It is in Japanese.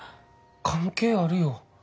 関係あるよ。